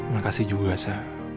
makasih juga sa